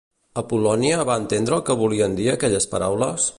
Apol·lònia va entendre el que volien dir aquelles paraules?